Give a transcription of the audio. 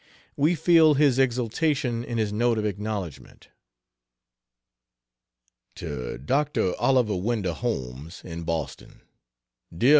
We feel his exaltation in his note of acknowledgment. To Dr. Oliver Wendell Holmes, in Boston: DEAR MR.